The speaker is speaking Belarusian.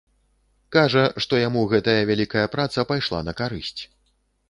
Кажа, што яму гэтая вялікая праца пайшла на карысць.